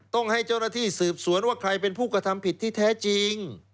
ต้องให้เจ้าหน้าที่สืบสวนว่าใครเป็นผู้กระทำผิดที่แท้จริง